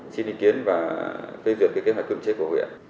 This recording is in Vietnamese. xin ý kiến và phê duyệt kế hoạch cưỡng chế của huyện